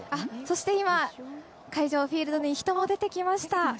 そして、今会場、フィールドに人が出てきました。